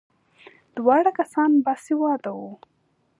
دواړه کسان باسواده وو.